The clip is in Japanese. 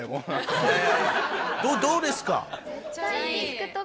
どうですか？